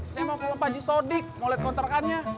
saya mau ke lompat jisodik mau liat kontrakannya